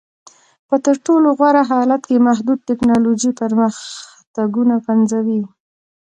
په تر ټولو غوره حالت کې محدود ټکنالوژیکي پرمختګونه پنځوي